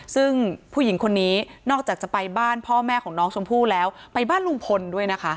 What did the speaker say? ซึ่งผู้หญิงคนนี้นอกจากจะไปบ้านพ่อแม่ของน้องชมพู่แล้วไปบ้านลุงพลด้วยนะคะ